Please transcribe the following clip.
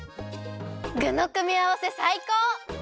ぐのくみあわせさいこう！